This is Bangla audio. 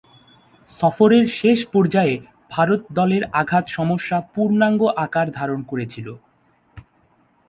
সফরের শেষ পর্যায়ে ভারত দলের আঘাত সমস্যা পূর্ণাঙ্গ আকার ধারণ করেছিল।